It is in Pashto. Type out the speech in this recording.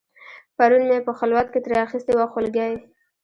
پرون مې په خلوت کې ترې اخیستې وه خولګۍ